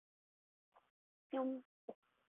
雍正帝则认为地方官接待超盛太过铺张。